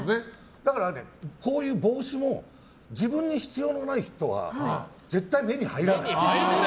だから、こういう帽子も自分に必要のない人は絶対目に入らない。